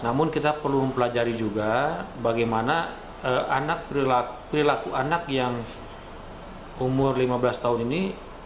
namun kita perlu mempelajari juga bagaimana anak perilaku anak yang umur lima belas tahun ini